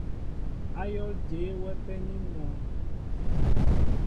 Ayól jeé wɛ penin mɔ?